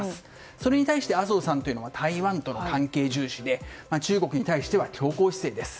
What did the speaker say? それに対して麻生さんは台湾との関係重視で中国に対しては強硬姿勢です。